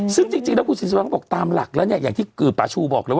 ซึ่งจริงกูศิษย์ธรรมบอกตามหลักอย่างที่คือป้าชูบอก